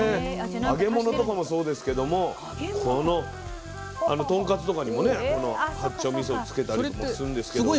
揚げ物とかもそうですけども豚カツとかにもねこの八丁みそをつけたりとかもするんですけど。